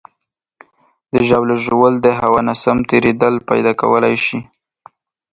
د ژاولې ژوول د هوا ناسم تېرېدل پیدا کولی شي.